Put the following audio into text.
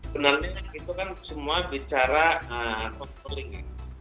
benarnya itu kan semua bicara controlling ya